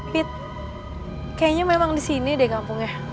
pet kayaknya memang di sini deh kampungnya